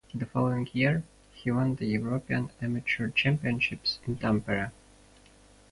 The following year he won the European Amateur Championships in Tampere.